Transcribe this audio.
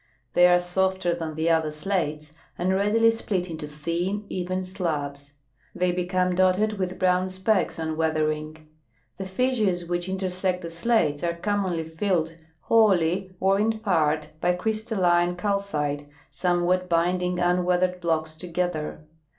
They are softer than the other slates, and readily split into thin, even slabs. They become dotted with brown specks on weather ing. The fissures Avhich intersect the slates are commonly filled, wholly or in part, by crystalline calcite, somewhat binding un weathered blocks together.